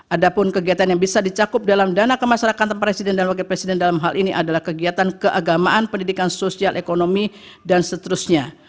ada pun kegiatan yang bisa dicakup dalam dana kemasyarakatan presiden dan wakil presiden dalam hal ini adalah kegiatan keagamaan pendidikan sosial ekonomi dan seterusnya